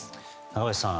中林さん